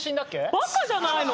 バカじゃないの？